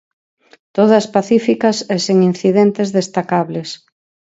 Todas pacíficas e sen incidentes destacables.